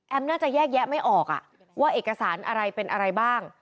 น่าจะแยกแยะไม่ออกว่าเอกสารอะไรเป็นอะไรบ้าง